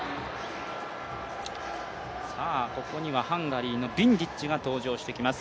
ここにはハンガリーのビンディッチが出場してきます。